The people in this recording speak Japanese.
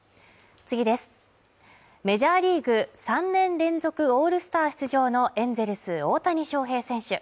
メジャーリーグ３年連続オールスター出場のエンゼルス大谷翔平選手